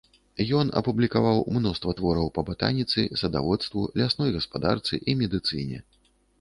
Ён апублікаваў мноства твораў па батаніцы, садаводству, лясной гаспадарцы і медыцыне.